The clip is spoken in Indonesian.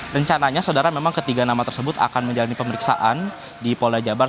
rencananya saudara memang ketiga nama tersebut akan menjalani pemeriksaan di polda jabar